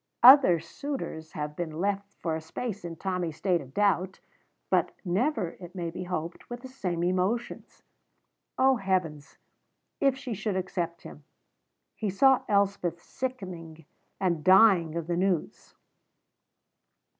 Other suitors have been left for a space in Tommy's state of doubt, but never, it may be hoped, with the same emotions. Oh, heavens! if she should accept him! He saw Elspeth sickening and dying of the news.